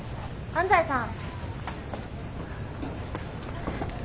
安西さん